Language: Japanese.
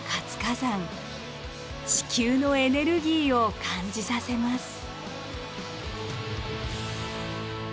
地球のエネルギーを感じさせます。